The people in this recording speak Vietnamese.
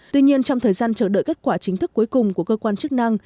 tuy nhiên trong thời gian chờ đợi kết quả chính thức cuối cùng của cơ quan chức năng